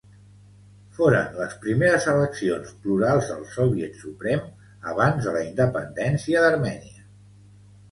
Foren les primeres eleccions plurals al Soviet Suprem abans de la independència d'Armènia.